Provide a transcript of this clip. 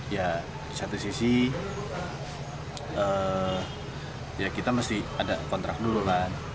ya di satu sisi ya kita mesti ada kontrak dulu kan